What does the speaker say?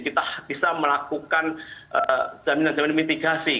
kita bisa melakukan jaminan jaminan mitigasi